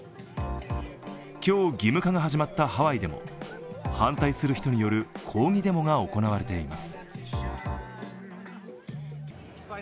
今日、義務化が始まったハワイでも反対する人による抗議デモが行われています。